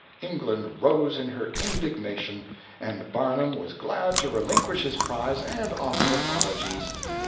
England rose in her indignation; and Barnum was glad to relinquish his prize and offer apologies.